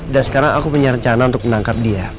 dan sekarang aku punya rencana untuk menangkap dia